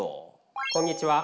こんにちは。